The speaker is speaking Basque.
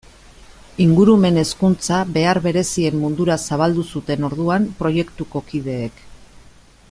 Ingurumen hezkuntza behar berezien mundura zabaldu zuten orduan proiektuko kideek.